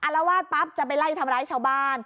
ละวาดปั๊บจะไปไล่ทำร้ายชาวบ้าน